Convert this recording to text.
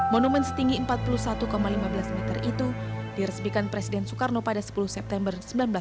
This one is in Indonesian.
monumen setinggi empat puluh satu lima belas meter itu diresmikan presiden soekarno pada sepuluh september seribu sembilan ratus empat puluh